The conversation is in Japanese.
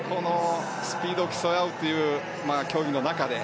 スピードを競い合うという競技の中で。